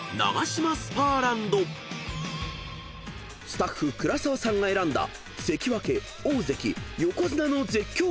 ［スタッフ倉澤さんが選んだ関脇大関横綱の絶叫マシン番付に挑む！］